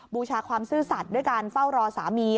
บูชาความซื่อสัตว์ด้วยการเฝ้ารอสามี